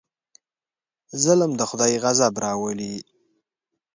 ظلم د خدای غضب راولي.